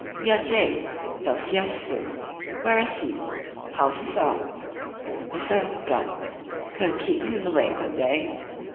"We're jake!" "He'll see us through." "Where is he?" "How's his arm?" "The son of a gun! Couldn't keep him away, could they?"